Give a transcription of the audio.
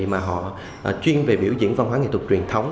mà họ chuyên về biểu diễn văn hóa nghệ thuật truyền thống